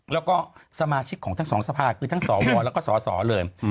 แล้วก็สมาชิกของทั้งสองสภาคือทั้งสวแล้วก็สสเลย